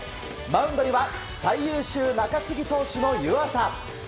マウンドには最優秀中継ぎ投手の湯浅。